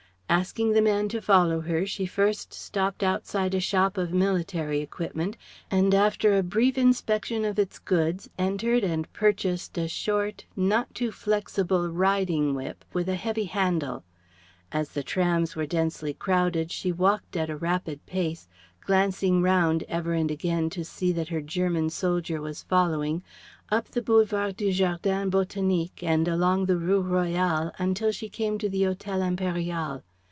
Asking the man to follow her, she first stopped outside a shop of military equipment, and after a brief inspection of its goods entered and purchased a short, not too flexible riding whip, with a heavy handle. Then as the trams were densely crowded, she walked at a rapid pace glancing round ever and again to see that her German soldier was following up the Boulevard du Jardin Botanique and along the Rue Royale until she came to the Hotel Impérial.